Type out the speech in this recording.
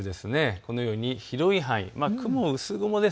このように広い範囲、雲は薄雲です。